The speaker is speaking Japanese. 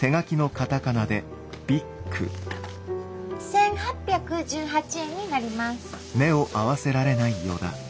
１，８１８円になります。